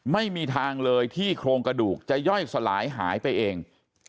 ไม่มีทางเลยที่โครงกระดูกจะย่อยสลายหายไปเอง